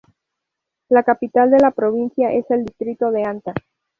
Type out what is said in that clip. La Capital de la provincia es el Distrito de Anta.